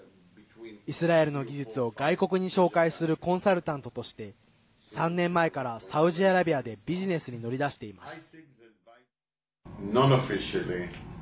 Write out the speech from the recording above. イスラエルの技術を外国に紹介するコンサルタントとして３年前から、サウジアラビアでビジネスに乗り出しています。